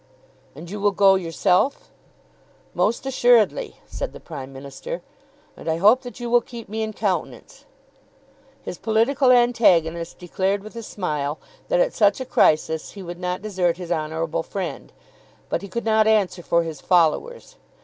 "And you will go yourself?" "Most assuredly," said the Prime Minister. "And I hope that you will keep me in countenance." His political antagonist declared with a smile that at such a crisis he would not desert his honourable friend; but he could not answer for his followers.